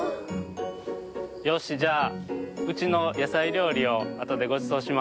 よしじゃあうちのやさいりょうりをあとでごちそうします。